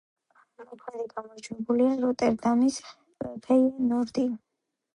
მოქმედი გამარჯვებულია როტერდამის „ფეიენორდი“.